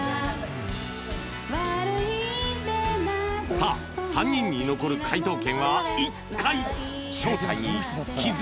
さあ３人に残る解答権は１回！